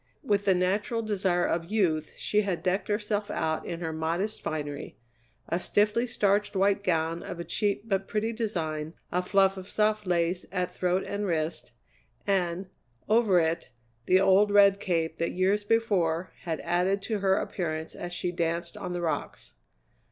With the natural desire of youth, she had decked herself out in her modest finery a stiffly starched white gown of a cheap but pretty design, a fluff of soft lace at throat and wrist, and, over it, the old red cape that years before had added to her appearance as she danced on the rocks.